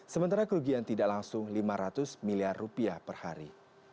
sementara kerugian tidak langsung lima ratus miliar rupiah per hari